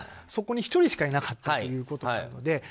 そこに１人しかいなかったということなので。